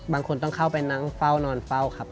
บางคนต้องเข้าไปนั่งเฝ้านอนเฝ้าครับ